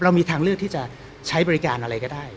มีทางเลือกที่จะใช้บริการอะไรก็ได้